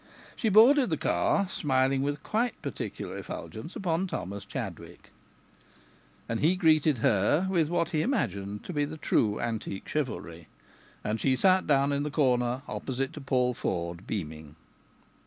She boarded the car, smiling with a quite particular effulgence upon Thomas Chadwick, and he greeted her with what he imagined to be the true antique chivalry. And she sat down in the corner opposite to Paul Ford, beaming.